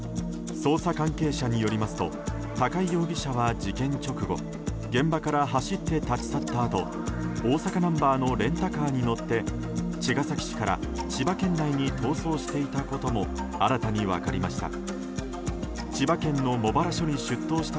捜査関係者によりますと高井容疑者は事件直後現場から走って立ち去ったあと大阪ナンバーのレンタカーに乗って茅ヶ崎市から千葉県内に逃走していたことも新たに分かりました。